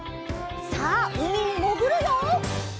さあうみにもぐるよ！